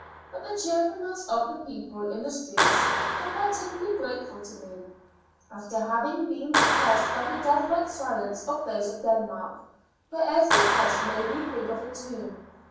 But the cheerfulness of the people in the streets was particularly grateful to me, after having been depressed by the deathlike silence of those of Denmark, where every house made me think of a tomb.